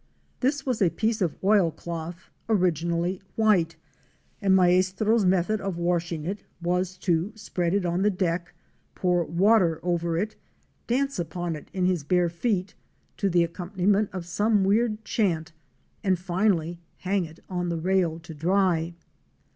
This was a piece of oilcloth, origi nally white, and Maestro's method of washing it was to spread it on the deck, pour water over it, dance upon it in his bare feet, to the accompaniment of some weird chant, and finally hang it on the rail to dry!